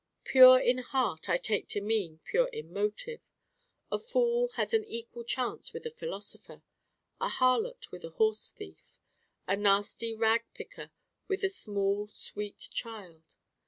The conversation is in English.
Pure in heart I take to mean pure in motive. A fool has an equal chance with a philosopher: a harlot with a horse thief: a nasty rag picker with a small sweet child.